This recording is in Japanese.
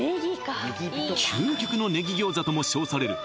ねぎ餃子とも称される